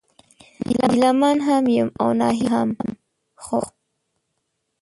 ګيله من هم يم او ناهيلی هم ، خو